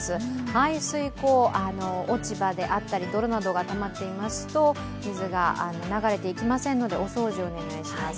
排水溝、落ち葉であったり泥がたまっていますと水が流れていきませんので、お掃除をお願いします。